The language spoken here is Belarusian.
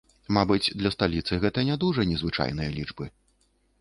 Мабыць, для сталіцы гэта не дужа незвычайныя лічбы.